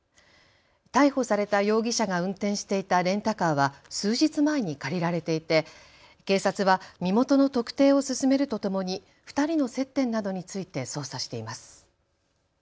逮捕された容疑者が運転していたレンタカーは数日前に借りられていて警察は身元の特定を進めるとともに２人の接点などについて捜査しています。